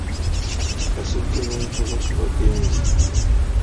Basajja ba Kabaka bagenze.